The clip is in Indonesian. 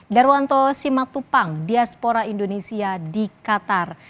darwanto simaktupang diaspora indonesia di qatar